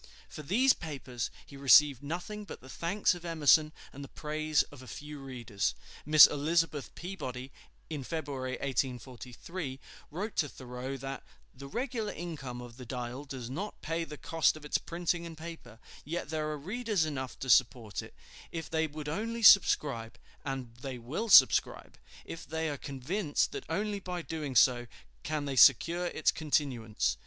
For these papers he received nothing but the thanks of Emerson and the praise of a few readers. Miss Elizabeth Peabody, in February, 1843, wrote to Thoreau, that "the regular income of the 'Dial' does not pay the cost of its printing and paper; yet there are readers enough to support it, if they would only subscribe; and they will subscribe, if they are convinced that only by doing so can they secure its continuance."